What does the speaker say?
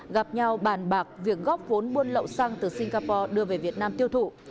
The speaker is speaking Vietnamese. gặp nhau bàn bạc việc góp vốn buôn lậu xăng từ singapore đưa về việt nam tiêu thụ